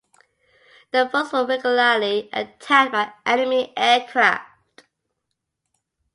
The forts were regularly attacked by enemy aircraft.